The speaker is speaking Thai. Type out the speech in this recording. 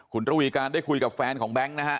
คุณระวีการได้คุยกับแฟนของแบงค์นะฮะ